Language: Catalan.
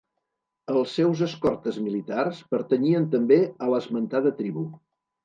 Els seus escortes militars pertanyien també a l'esmentada tribu.